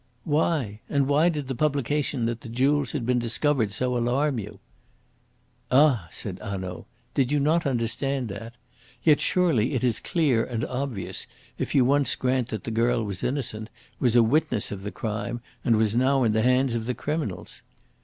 "Why? And why did the publication that the jewels had been discovered so alarm you?" "Ah!" said Hanaud. "Did not you understand that? Yet it is surely clear and obvious, if you once grant that the girl was innocent, was a witness of the crime, and was now in the hands of the criminals.